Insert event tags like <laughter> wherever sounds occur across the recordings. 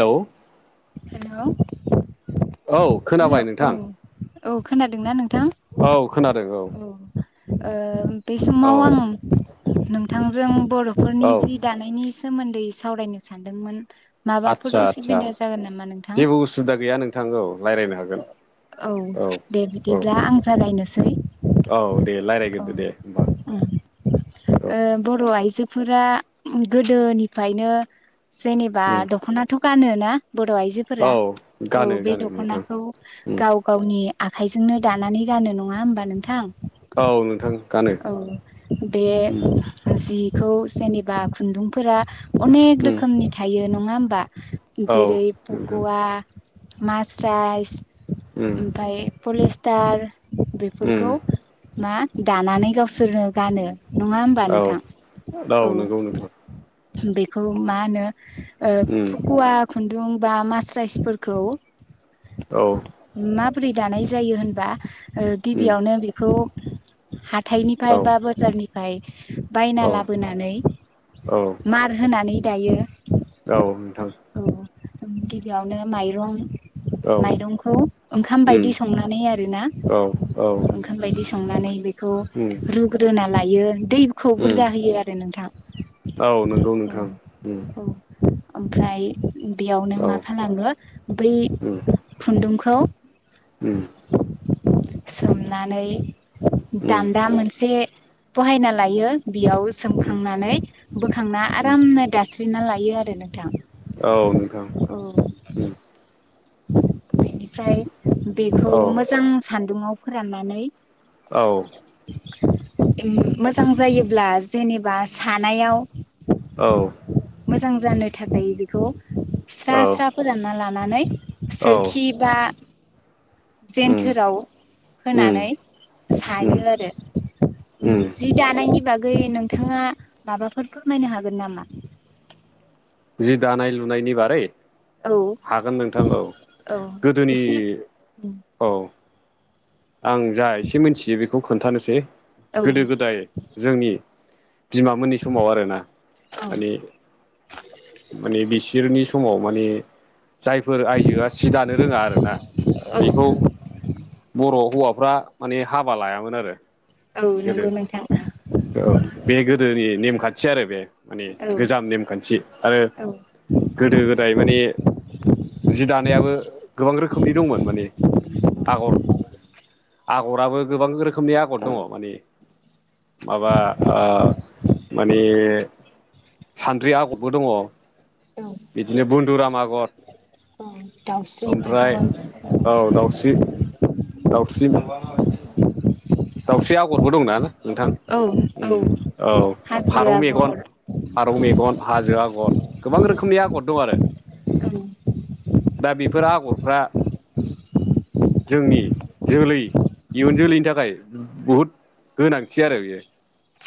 Hello hello औ hello खोनाबाय नोंथां औ औ खोनादोंना नोंथां? औ खोनादों औ। औ बे औ समाव आं नोंथांजों औ बर'फोरनि जि दानायनि सोमोन्दै सावरायनो सानदोंमोन आदसा माबाफोर आदसा उसुबिदा जागोन नामा नोंथां? जेबो उसुबिदा गैया नोंथां औ रायलायनो हागोन। औ दे औ बिदिब्ला आं जागायनोसै औ दे औ रायलायगोरदो दे होमबा ओ औ बर' आइजोफोरा गोदोनिफायनो जेनेबा उम दख'नाथ' गानोना बर' आइजो फोरा औ गानो औ बे गानो नोंथां दखनाखौ उम गाव गावनि आखाइजोंनो दानानै गानो नङा होमबा नोंथां औ नोंथां गानो औ बे उम जिखौ जेनेबा खुन्दुंफोरा अनेक उम रोखोमनि थायो नङा होमबा औ जेरै नोंथां पक'वा मास राइस उम ओमफाय पलिस्टार उम बेफोरखौ मा दानानै गावसोरनो गानो नङा होमबा औ नोंथां औ नंगौ नोंथां औ बेखौ मा होनो उम फुकुवाखु खुन्दुं बा मास्राइसफोरखौ औ माबोरै दानाय जायो होनबा उम गिबियावनो बेखौ हाथाइनिफ्राय औ बा बाजारनिफ्राय बायना औ लाबोनानै औ मार होनानै दायो औ नोंथां औ गिबियावनो माइरं औ माइरंखौ ओंखाम उम बायदि संनानै आरोना औ औ ओंखाम बायदि संनानै बेखौ उम रुग्रोना लायो दै खौ उम बुरजा होयो आरो नोंथां औ नंगौ नोंथां औ औ ओमफ्राय बेयावनो मा औ खालामो बै उम खुन्दुंखौ उम सोमनानै उम दान्दा मोनसे बहायना लायो बेयाव उम सोमखांनानै बोखांना आरामनो दास्रि फिनना लायो आरो नोंथां। औ नोंथां औ बेनिफ्राय बेखौ औ मोजां सान्दुङाव फोराननानै औ मोजां जायोब्ला जेनेबा सानायाव। औ मोजां जानो थाखाय बेखौ स्रा औ स्रा फोरानना लानानै औ सोरखि बा उम जेेनथोराव उम होनानै सायो उम आरो उम जि दानायनि बागै नोंथाङा माबाफोर फोरमायनो हागोन नामा? जि दानाय लुनायनि बारै औ हागोन नोंथां औ औ गोदोनि एसे औ आं जा एसे मिथियो बेखौ खोन्थानोसै औ गोदो गोदाय जोंनि बिमामोननि समाव आरोना औ माने माने बिसोरनि समाव माने जायफोर आइजोआ सि दानो रोङा आरोना बेखौ बर' हौवाफ्रा माने हाबा लायामोन आरो औ गोदो नंगौ नोंथां औ बे गोदोनि नेमखान्थि आरो बे माने औ गोजाम नेमखान्थि आरो गोदो गोदाय माने जि दानायाबो गोबां रोखोमनि दंमोन माने आगर आगराबो गोबां रोखोमनि आगर दङ। माने माबा माने सान्द्रि आगरबो दङ बिदिनो बनन्दुराम आगर औ दा ओमफ्राय औ दाउस्रि दाउस्रि दाउस्रि आगरबो दं ना नोंथां औ औ औ हाजो फारौ मेगन आगर फारौ मेगन हाजो आगर गोबां रोखोमनि आगर दं आरो। औ दा बेफोर आगरफ्रा जोंनि जोलै इयुन जोलैनि थाखाय बुहुद गोनांथि आरो बेयो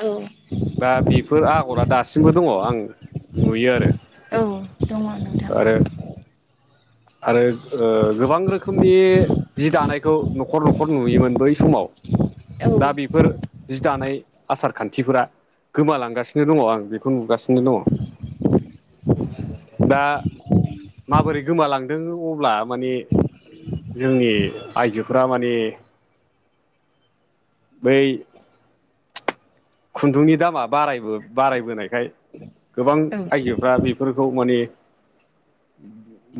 औ दा बेफोर आगरा दासिमबो दङ आं नुयो आरो। औ दं आरो आरो गोबां रोखोमनि जि दानायखौ न'खर न'खर नुयोमोन बै समाव औ दा बेफोर जि दानाय आसार खान्थिफोरा गोमालांगासिनो दङ आं बेखौ नुगासिनो दङ दा माबोरै गोमालांदों अब्ला माने जोंनि आइजोफ्रा माने बै खुन्दुंनि दामा बाराय बारायबोनायखाय गोबां औ आइजोफ्रा बे फोरखौ माने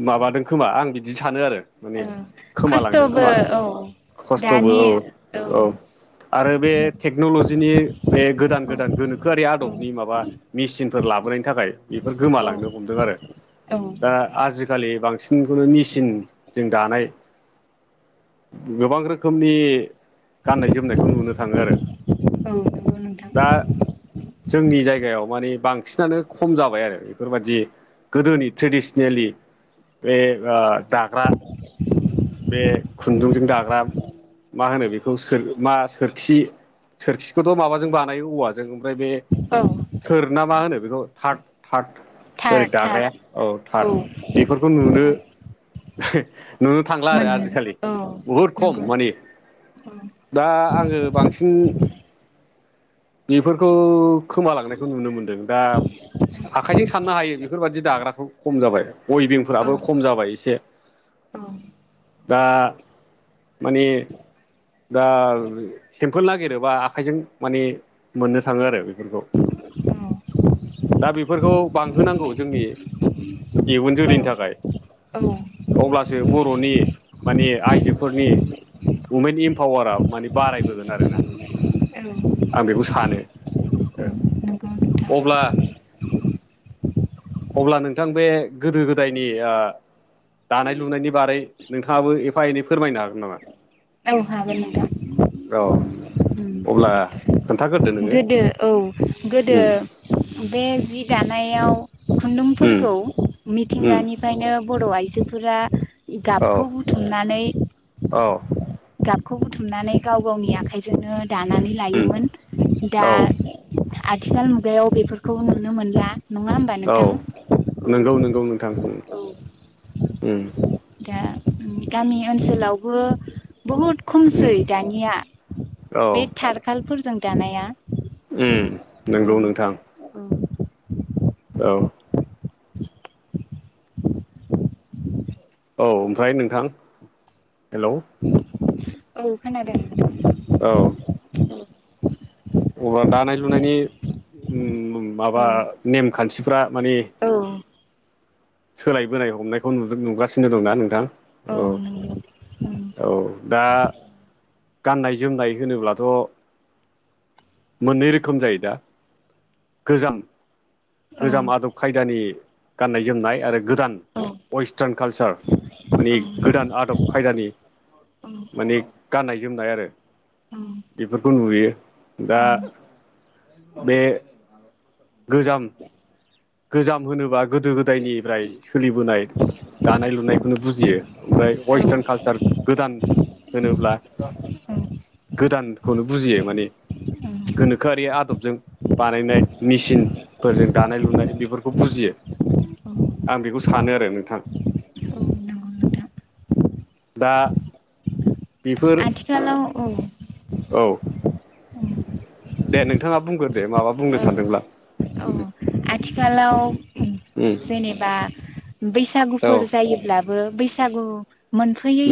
माबादों खोमा आं बिदि सानो आरो माने खोमा लांदों खस्थ'बो खोमा औ खस्थ'बो दानि औ औ आरो बे टेक्न'ल'जिनि बे गोदान औ गोदान गोनोखोआरि औ आदबनि माबा मेसिनफोर लाबोनायनि थाखाय बेफोर औ गोमालांनो हमदों आरो औ दा आजि खालि बांसिनखौनो मेचिन जों दानाय गोबां रोखोमनि गाननाय जोमनायखौ नुनो थाङो आरो। नंगौ नोंथां दा जोंनि जायगायाव माने बांसिनानो खम जाबाय आरो बेफोरबायदि गोदोनि ट्रेडिसनेलि बे दाग्रा बे खुन्दुंजों दाग्रा मा होनो बेखौ मा सोरखि सोरखिखौथ' माबाजों बानायो औवाजों ओमफ्राय बे औ थोर ना मा होनो बेखौ थार्द थार्द थार ओरै थार दाग्राया औ थार्द बेफोरखौ नुनो थार नुनो थांला आरो मोन आजिखालि औ बुहुद खम नंगौ माने औ औ औ दा आङो बांसिन बेफोरखौ खोमालांनायखौ नुनो मोनदों दा। आखाइजों साननो हायो बेफोरबायदि दाग्राखौ खम जाबाय उइबिंफोराबो खम जाबाय एसे द दा माने दा सेम्पोल नागिरोबा आखाइजों माने मोननो थाङो आरो बेफोरखौ दा बेफोरखौ बांहोनांगौ जोंनि इयुन जोलैनि थाखाय औ अब्लासो बर'नि माने आइजोफोरनि वमेन इम्पावारा माने बारायबोगोन आरोना आं बेखौ सानो औ नंगौ नोंथां अब्ला अब्ला नोंथां बे गोदो गोदायनि दानाय लुनायनि बारै नोंथाङाबो एफा एनै फोरमायनो हागोन नामा औ हागोन औ नोंथां अब्ला खोन्थाग्रोदो उम नोङो गोदो औ गोदो उम बे जि दानायाव उम खुन्दुंफोरखौ उम मिथिंगानि फ्रायनो बर' आइजोफोरा औ गाबखौ बुथुमनानै औ गाबखौ बुथुमनानै गाव गावनि आखाइजोंनो दानानै उम लायोमोन दा औ आथिखाल मुगायाव बेफोरखौ नुनो मोनला नङा होमबा औ नोंथां नंगौ नंगौ नोंथां उम औ उम औ दा गामि ओनसोलावबो बहुद खमसै उम दानिया औ बे थारखालफोरजों दानाया उम औ नंगौ नोंथां औ औ औ ओमफ्राय नोंथां हेल' औ खोनादों औ अब्ला दानाय लुनायनि माबा ओ नेमखान्थिफ्रा माने औ सोलायबोनाय हमनायखौ नुदों नुगासिनो दंना नोंथां औ उम औ दा गाननाय जोमनाय होनोब्लाथ' मोननै रोखोम जायो दा गोजाम औ गोजाम आदब खायदानि गाननाय जोमनाय आरो गोदान औ वेस्टार्न कालसार माने औ गोदान आदब खायदानि माने गाननाय जोमनाय आरो उम औ बेफोरखौ नुयो औ दा बे गोजाम गोजाम होनोबा गोदो गोदायनिफ्राय सोलिबोनाय दानाय लुनायखौनो बुजियो ओमफ्राय वेस्टार्न कालसार गोदान होनोब्ला औ गोदानखौनो बुजियो माने गोनोखोआरि आदबजों बानायनाय मेसििनफोरजों दानाय लुनाय बेफोरखौ बुजियो आं बेखौ सानो आरो नोंथां। औ नंगौ नोंथां दा बेफोर आथिखालाव औ औ उम दे नोंथाङा बुंगोर दे माबा बुंनो औ सानदोंब्ला औ दे आथिखालाव जेनेबा औ बैसागुफोर जायो। लाबो बैसागु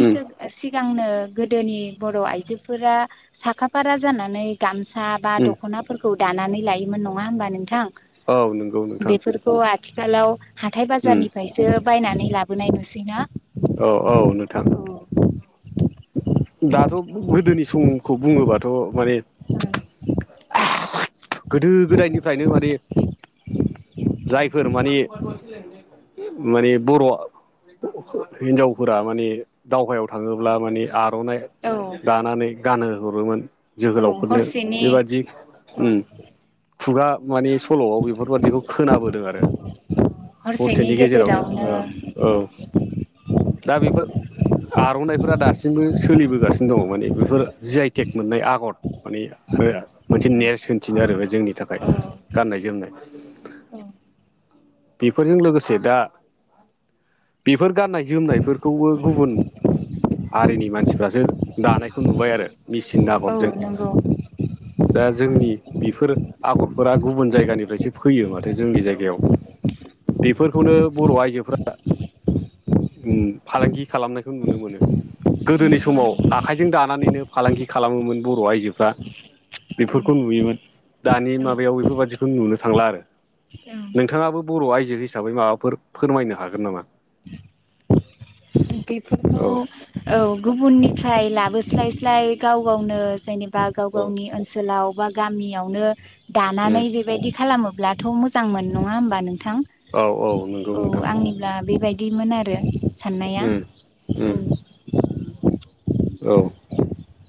उम सिगांनो गोदोनि बर' आइजोफोरा साखाफारा जानानै गामसा बा उम दख'नाफोरखौ दानानै लायोमोन नङा होमबा नोंथां औ नों बेफोरखौ आथिखालाव हाथथाय उम बाजारनिफ्रायसो बायनानै लाबोनाय नुसैना औ औ नोंथां दाथ' गोदोनि समखौ बुङोबाथ' माने गोदो गोदायनिफ्रायनो माने जायफोर माने माने बर'आ हिनजावफोरा माने दावहायाव थाङोब्ला माने औ दानानै गान हरोमोन । औ जोहोलावफोरनो हरसेनि बेबादि औ खुगा माने सल'आव बेफोरबादिखौ खोनाबोदों आरो हरसेनि गेजेरावनो औ औ दा बेफोर आर'नाइफोरा दासिमबो सोलिबोगासिनो दङ माने बेफोर जि आइटेक मोननाय आगर माने आरो मोनसे नेरसोनथिनो आरो जोंनि थाखाय गाननाय जोमनाय औ बेफोरजों लोगोसे दा बेफोर गाननाय जोमनायफोरखौबो गुबुन हारिनि मानसिफ्रासो दानायखौ नुबाय आरो मेचन औ आगरजों नंगौ दा जोंनि बेफोर आगरफोरा गुबुन जायगानिफ्रायसो फैयो माथो जोंनि जायगायाव बेफोरखौनो बर' आइजोफ्रा उ फालांगि खालामनायखौ नुनो मोनो। गोदोनि समाव आखाइजों दानानैनो फालांगि खालामोमोन बर' आइजोफ्रा बेफोरखौ नुयोमोन दानि औ माबायाव बेफोरबायादिखौ नुनो थांला आरो नोंथाङाबो बर' आइजो हिसाबै माबाफोर फोरमायनो हागोन नामा? औ बेफोरखौ औ गुबुननिफ्राय लाबोस्लायस्लाय गाव गावनो जेनेबा बा गाव औ गावनि ओनसोलाव बा गामियावनो उम दानानै बेबायदि खालामो ब्लाथ' मोजांमोन नङा ओमबा नोंथां औ आंनि ब्ला बेबायदिमोन आरो साननाया उम औ उम <inaudible> औ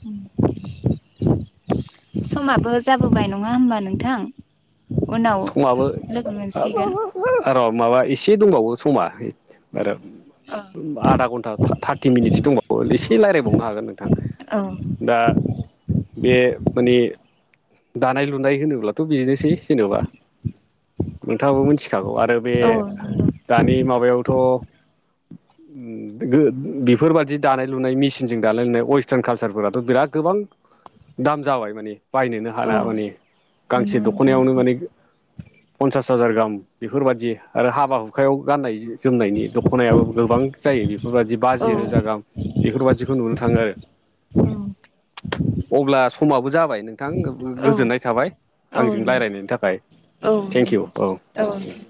उम समाबो जाबोबाय नङा होमबा नोंथां? उनाव समाबो लोगो मोनसिगोन आरो माबा एसे दंबावो समा आरोब आधा घन्टा थार्टि मिनिटसो दंबावो एसे लायरायबावनो हागोन नोंथां। औ दा बे माने दानाय लुनाय होनोब्लाथ' बिदिनोसै जेन'बा नोंथाङाबो मिथिखागौ आरो बे औ नंगौ दानि माबायावथ' <inaudible> गो बेफोरबायदि दानाय लुनाय मेसिनजों दानाय लुनाय वेस्टार्न कालसारफोराथ' बिराद गोबां दाम जाबाय माने बायनोनो औ हाना माने गांसे नंगौ नोंथां दख'नायावनो माने पन्सास पास हाजार गाहाम बेफोरबायदि आरो हाबा हुखायाव गाननाय जोमनायनि दख'नायाबो गोबां जायो बेफोरबायदि औ बाजि रोजा गाहाम। बेफोरबायदिखौ नुनो थाङो आरो औ अब्ला समाबो जाबाय नोंथां औ गोजोननाय थाबाय औ आंजों दे रायज्लायनायनि थाखाय औ दे थेंक इउ औ औ